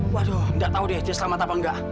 waduh nggak tahu deh dia selamat apa enggak